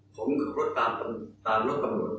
ผมมันคือรถตามตามรถตำรวจ